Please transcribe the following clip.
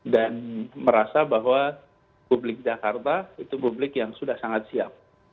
dan merasa bahwa publik jakarta itu publik yang sudah sangat siap